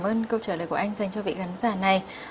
cảm ơn câu trả lời của anh dành cho vị khán giả này